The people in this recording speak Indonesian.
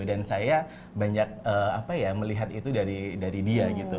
dan saya banyak melihat itu dari dia gitu